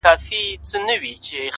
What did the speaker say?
نن داخبره درلېږمه تاته’